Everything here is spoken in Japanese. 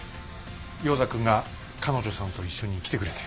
ヨーダ君が彼女さんと一緒に来てくれて。